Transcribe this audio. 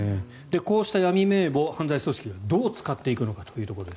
こうした闇名簿を犯罪組織がどう使っていくのか。